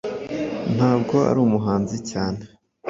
Ntabwo ari umuhanzi cyane